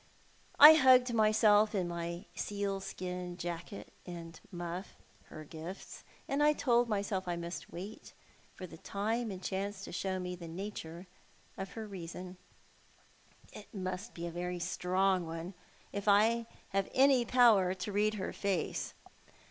I hugged myself in my sealskin jacket and muff— her gifts — and told myself that I must wait for time and chance to show me the nature of her reason. It must be a very strong one — if I have any power to read her face.